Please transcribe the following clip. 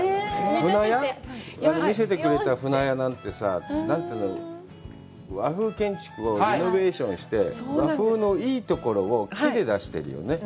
見せてくれた舟屋なんてさぁ、和風建築をリノベーションして、和風のいいところを木で出してるよね。